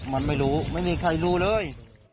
มันไม่รู้ไม่มีใครรู้เลย